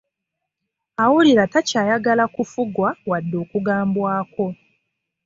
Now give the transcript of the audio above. Awulira takyayagala kufugwa wadde okugambwako.